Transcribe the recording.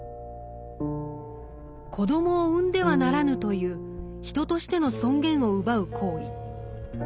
「子どもを産んではならぬ」という人としての尊厳を奪う行為。